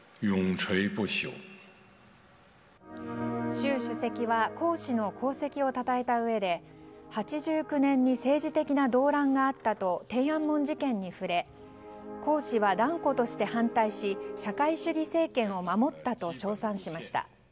習主席は江氏の功績をたたえたうえで８９年に政治的な動乱があったと天安門事件に触れ江氏は断固として反対し社会主義政権を守ったと称賛しました。